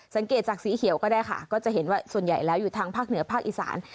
สังเกตจากสีเขียวก็ได้ค่ะก็จะเห็นว่าส่วนใหญ่แล้วอยู่ทางภาคเหนือภาคอีสาน